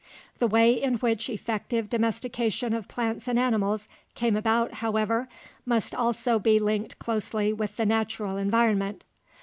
The way in which effective domestication of plants and animals came about, however, must also be linked closely with the natural environment.